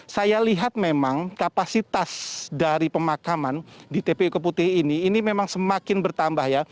saya lihat memang kapasitas dari pemakaman di tpu keputih ini ini memang semakin bertambah ya